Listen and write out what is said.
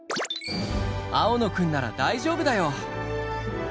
青野くんなら大丈夫だよ。